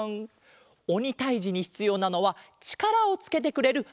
おにたいじにひつようなのはちからをつけてくれるあれだわん。